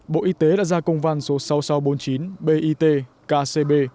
bộ y tế đã ra công văn số sáu nghìn sáu trăm bốn mươi chín bit kcb